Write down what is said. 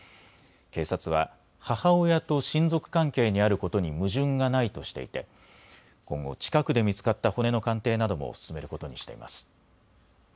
警察は、母親と親族関係にあることに矛盾がないとしていて、今後、近くで見つかった骨の鑑定なども進めることにしています。